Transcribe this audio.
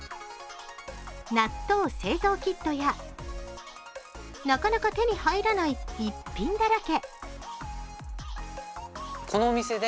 納豆製造キットやなかなか手に入らない一品だらけ。